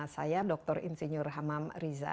saya dr insinyur hamam riza